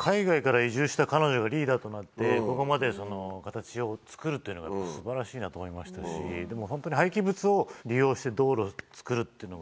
海外から移住した彼女がリーダーとなって、ここまで形を作るっていうのは、本当にすばらしいなと思いましたし、でも、本当に廃棄物を利用し確かにね。